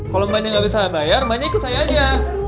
kalau mbaknya nggak bisa bayar mbahnya ikut saya aja